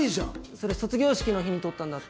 それ卒業式の日に撮ったんだって。